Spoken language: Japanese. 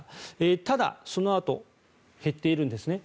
ただそのあと減っているんですね。